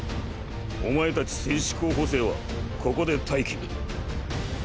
お前たち戦士候補生はここで待機。